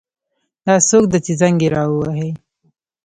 دا څوک ده چې زنګ یې را وهي